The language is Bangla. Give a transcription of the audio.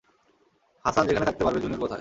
হাসান সেখানে থাকতে পারবে, জুনিয়র কোথায়?